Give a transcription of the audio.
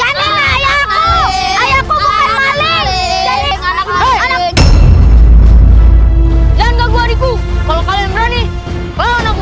menangkap weku kalau kau yang berani